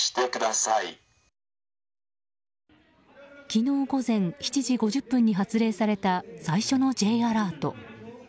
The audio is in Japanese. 昨日午前７時５０分に発令された最初のＪアラート。